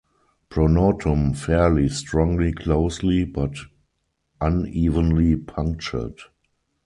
Pronotum fairly strongly closely but unevenly punctured.